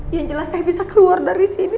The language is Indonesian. yang jelas saya bisa keluar dari sini